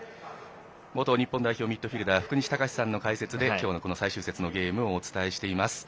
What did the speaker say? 元日本代表ミッドフィールダー福西崇史さんの解説でこの最終節のゲームをお伝えしています。